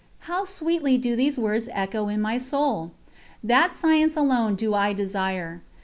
How sweetly do these words echo in my soul! That science alone do I desire.